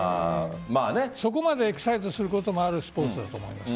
そこまでエキサイトすることもあるスポーツだと思います。